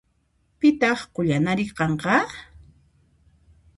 Pitaq qullanari kanqa?